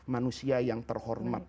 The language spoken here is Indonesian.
manusia yang terhormat